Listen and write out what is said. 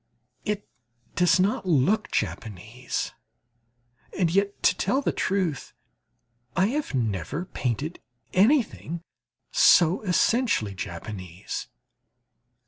It does not look Japanese, and yet, truth to tell, I have never painted anything so essentially Japanese.